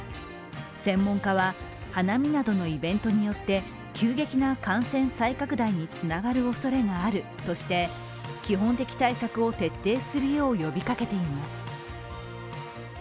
専門家は花見などのイベントによって急激な感染再拡大につながるおそれがあるとして、基本的対策を徹底するよう呼びかけています。